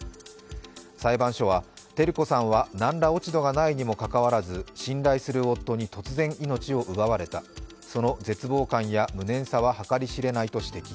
裁判所は照子さんは何ら落ち度がないにもかかわらず、信頼する夫に突然命を奪われた、その絶望感や無念さは計り知れないと指摘。